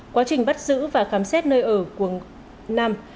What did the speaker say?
quá trình bắt giữ và khám xét nơi ở quần nam